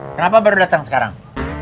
kenapa baru datang sekarang